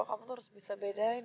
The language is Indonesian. kamu tuh harus bisa bedain